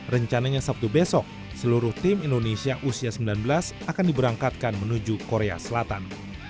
rencananya sabtu besok seluruh tim indonesia usia sembilan belas akan diberangkatkan menuju korea selatan